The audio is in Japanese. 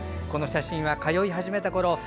この写真は通い始めたころ